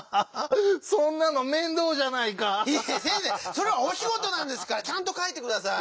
それはおしごとなんですからちゃんとかいてください。